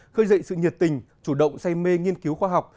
khơi dậy sự nhiệt tình chủ động say mê nghiên cứu khoa học